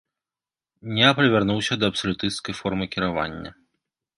Неапаль вярнуўся да абсалютысцкай формы кіравання.